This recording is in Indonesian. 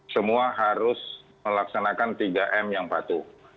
semua harus melaksanakan tiga m yang patuh